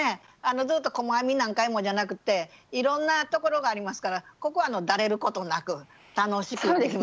ずっと細編み何回もじゃなくっていろんなところがありますからここはダレることなく楽しく。